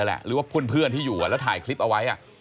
หรือว่าเพื่อนที่อยู่แล้วถ่ายคลิปเอาไว้